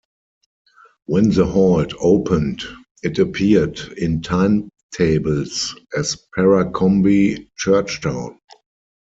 When the Halt opened it appeared in timetables as "Parracombe Churchtown".